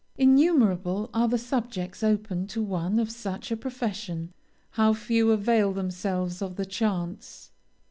Innumerable are the subjects open to one of such a profession. How few avail themselves of the chance!